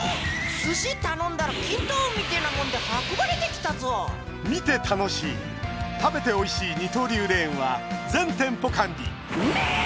寿司頼んだら筋斗雲みてえなもんで運ばれてきたぞ「見て楽しい食べておいしい二刀流レーンは全店舗完備」うめえ！